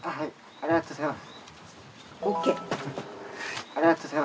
ありがとうございます。